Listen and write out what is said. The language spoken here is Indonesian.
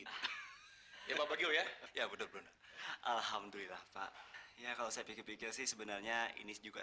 ya pak bagio ya bener bener alhamdulillah pak ya kalau saya pikir pikir sih sebenarnya ini juga